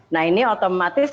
nah ini otomatis